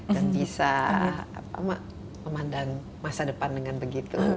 dan bisa memandang masa depan dengan begitu